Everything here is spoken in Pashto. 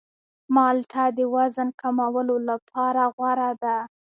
مالټه د وزن کمولو لپاره غوره ده.